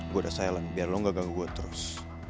gue ada silent biar lo gak ganggu gue terus